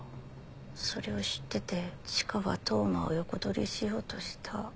それを知っててチカは当麻を横取りしようとした。